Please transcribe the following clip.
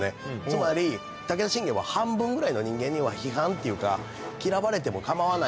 つまり武田信玄は半分ぐらいの人間には批判っていうか嫌われても構わないよと。